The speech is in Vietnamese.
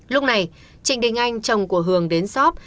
lúc này trịnh đình anh chồng của hường đến shop